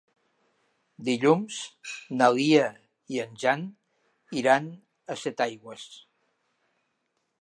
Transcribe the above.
Dilluns na Lia i en Jan iran a Setaigües.